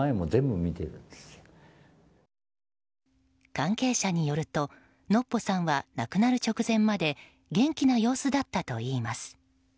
関係者によるとのっぽさんは亡くなる直前まで元気な様子だったといいます。